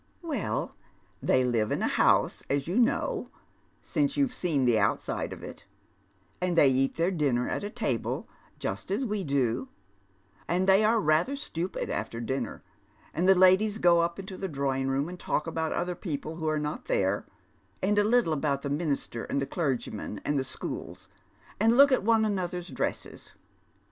" Well, they live in a house, as you know, since you've seen the outside of it, and they eat their dinner at a table, just as we ^lo, and they are rather stupid after dinner, and the ladies go up into the drawing room and talk about other people who are not there, and a little about the minister, and the clergyman, and the Bchools, and look at one another's dresses.